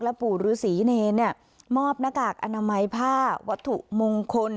ปู่ฤษีเนรมอบหน้ากากอนามัยผ้าวัตถุมงคล